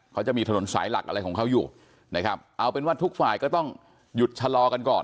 เขาจะมีถนนสายหลักอะไรของเขาอยู่นะครับเอาเป็นว่าทุกฝ่ายก็ต้องหยุดชะลอกันก่อน